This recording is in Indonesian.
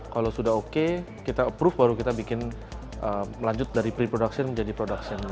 kalau sudah oke kita approve baru kita bikin melanjut dari pre production menjadi production